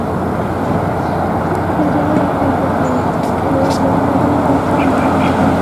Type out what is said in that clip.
خلکو ته اجازه ورکړل شوه چې سره زر راغونډ او چاڼ کړي.